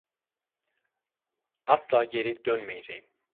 Asla geri dönmeyeceğim.